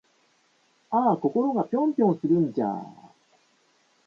あぁ〜心がぴょんぴょんするんじゃぁ〜